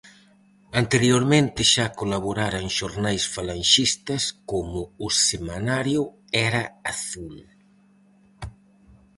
Anteriormente xa colaborara en xornais falanxistas, como o semanario Era azul.